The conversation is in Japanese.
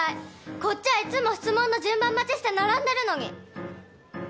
こっちはいつも質問の順番待ちして並んでるのに。